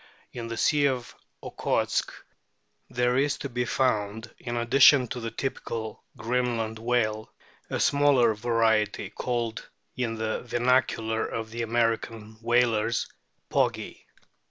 In the sea of Okhotsk there is to be found, in addition to the typical Greenland whale, a smaller variety, called in the vernacular of the American whalers " Poggy."